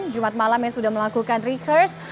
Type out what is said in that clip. jumat malam yang sudah melakukan recurs